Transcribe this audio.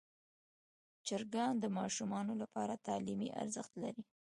چرګان د ماشومانو لپاره تعلیمي ارزښت لري.